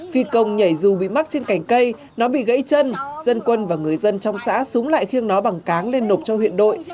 phi công nhảy dù bị mắc trên cành cây nó bị gãy chân dân quân và người dân trong xã súng lại khiêng nó bằng cáng lên nộp cho huyện đội